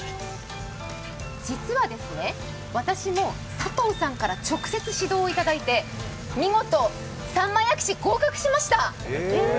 実はですね、私も佐藤さんから直接指導いただいて見事、さんま焼き師、合格しました。